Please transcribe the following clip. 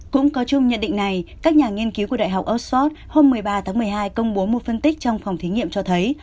cũng có chung nhận định này các nhà nghiên cứu của đại học oxford hôm một mươi ba tháng một mươi hai công bố một phân tích trong phòng thí nghiệm cho thấy